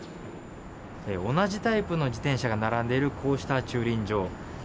同じタイプの自転車が並んでいる、こうした駐輪場。